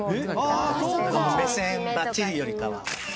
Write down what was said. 「目線ばっちりよりかは」